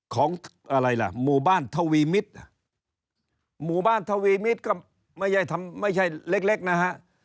ของอะไรล่ะหมู่บ้านทวีมิตรหมู่บ้านทวีมิตรก็ไม่ใช่เล็กนะฮะ